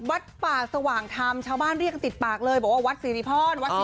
วัดป่าสว่างธรรมชาวบ้านเรียกกันติดปากเลยบอกว่าวัดสิริพร